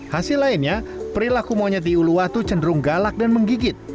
hasil lainnya perilaku monyet di uluwatu cenderung galak dan menggigit